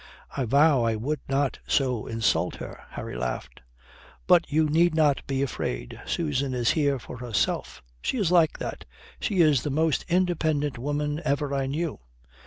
"I vow I would not so insult her." Harry laughed. "But you need not be afraid. Susan is here for herself. She is like that. She is the most independent woman ever I knew.